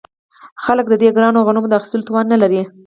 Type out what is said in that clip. خلک د دې ګرانو غنمو د اخیستلو توان نلري